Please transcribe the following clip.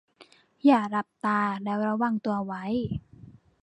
อย่าหลับตาแล้วระวังตัวไว้